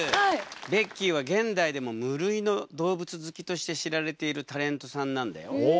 ベッキーは現代でも無類の動物好きとして知られているタレントさんなんだよ。へえ。